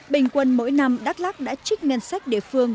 bình quân mỗi năm đắk lắc đã trích ngân sách địa phương